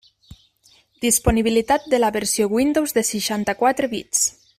Disponibilitat de la versió Windows de seixanta-quatre bits.